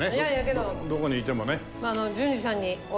どこにいてもね。